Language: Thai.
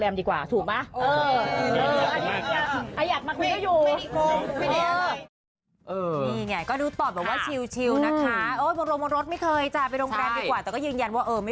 มีเรื่องนึงเมาส์กันนะว่าเรากับดาราคนนึงสัมพันธ์